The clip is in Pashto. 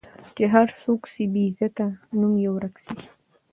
چي هر څوک سي بې عزته نوم یې ورک سي